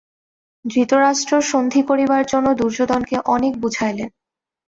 ধৃতরাষ্ট্র সন্ধি করিবার জন্য দুর্যোধনকে অনেক বুঝাইলেন।